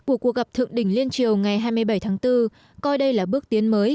của cuộc gặp thượng đỉnh liên triều ngày hai mươi bảy tháng bốn coi đây là bước tiến mới